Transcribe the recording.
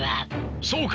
そうか！